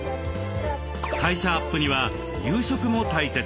代謝アップには夕食も大切。